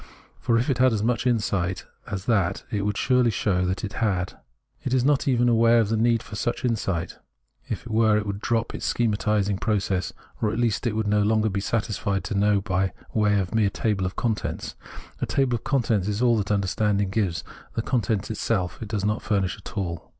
For if it had as much insight as that, it would surely show that it had. It is not even aware of the need for such in sight ; if it were, it would drop its schematising pro cess, or at least would no longer be satisfied to know by way of a mere table of contents. A table of contents is all that understanding gives, the content itself it does not furnish at all.